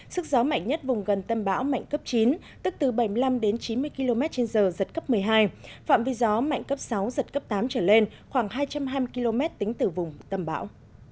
sức gió mạnh nhất vùng gần tâm bão mạnh cấp chín tức từ bảy mươi năm đến chín mươi km trên giờ giật cấp một mươi hai phạm vi gió mạnh cấp sáu giật cấp tám trở lên khoảng hai trăm hai mươi km tính từ vùng tâm bão